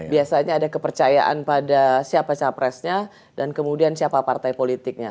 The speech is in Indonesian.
biasanya ada kepercayaan pada siapa capresnya dan kemudian siapa partai politiknya